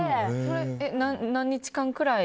何日間くらい？